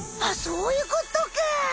そういうことか！